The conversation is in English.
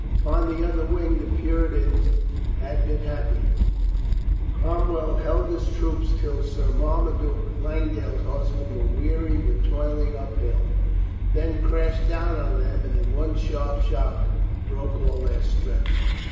Upon the other wing the Puritans had been hap THE KING TURNS 325 pier. Cromwell held his troopers till Sir Marma duke Langdale's horsemen were weary with toiling up hill, then crashed down on them and in one sharp shock broke all their strength.